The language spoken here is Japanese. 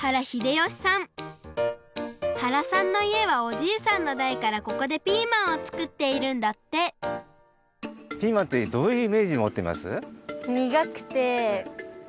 原さんのいえはおじいさんのだいからここでピーマンをつくっているんだってピーマンってどういうイメージもってます？